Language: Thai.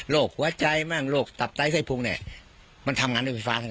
โรคหัวใจโรคตับใต้ไส้พุงมันทำงานด้วยไฟฟ้ามัน